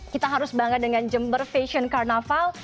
kita harus bangga dengan jember fashion carnaval